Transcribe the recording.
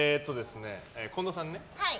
近藤さんね。